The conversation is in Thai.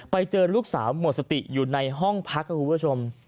ไปเจอลูกสาวหมดสติอยู่ในห้องพักครับคุณผู้ชม